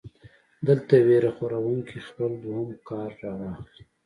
دلته وېره خوروونکے خپل دويم کارډ راواخلي -